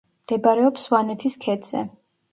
მდებარეობს სვანეთის ქედზე.